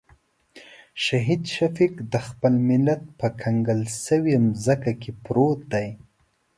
شهید شفیق د خپل ملت په کنګال شوې ځمکه کې پروت دی.